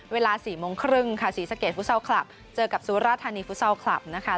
เวลา๑๖๓๐สีสเกจฟุตเซาคลับเจอกับสุรธานีฟุตเซาคลับนะคะ